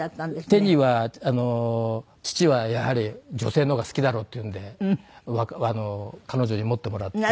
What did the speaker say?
手には父はやはり女性の方が好きだろうというので彼女に持ってもらって。